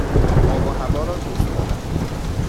آب و هوا را دوست دارم.